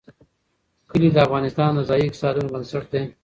کلي د افغانستان د ځایي اقتصادونو بنسټ دی.